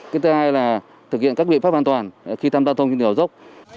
cái thứ hai là thực hiện các biện pháp an toàn khi thăm giao thông trên đèo dốc